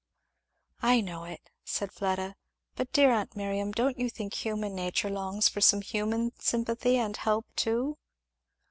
"I know it," said Fleda; "but dear aunt Miriam, don't you think human nature longs for some human sympathy and help too?"